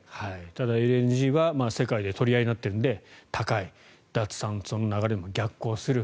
ただ、ＬＮＧは世界で取り合いになっているので高い脱炭素の流れに逆行する。